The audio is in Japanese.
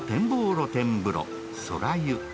露天風呂・宙湯。